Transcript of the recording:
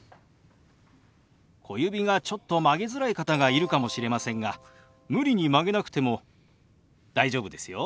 小指がちょっと曲げづらい方がいるかもしれませんが無理に曲げなくても大丈夫ですよ。